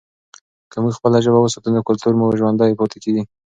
که موږ خپله ژبه وساتو نو کلتور مو ژوندی پاتې کېږي.